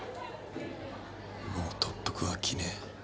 もう特服は着ねえ。